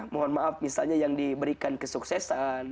mohon maaf misalnya yang diberikan kesuksesan